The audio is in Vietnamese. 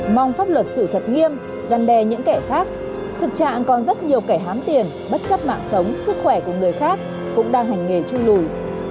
mong pháp luật xử thật nghiêm gian đe những kẻ khác thực trạng còn rất nhiều kẻ hám tiền bất chấp mạng sống sức khỏe của người khác cũng đang hành nghề chui lùi